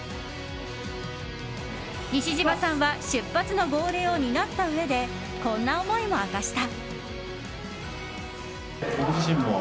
西島さんは出発の号令を担ったうえでこんな思いを明かした。